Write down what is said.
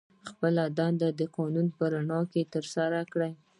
خپله دنده د قانون په رڼا کې ترسره کړي.